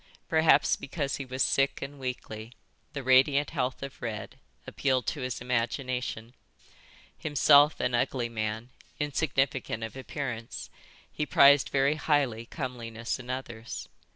Perhaps because he was sick and weakly, the radiant health of Red appealed to his imagination. Himself an ugly man, insignificant of appearance, he prized very highly comeliness in others.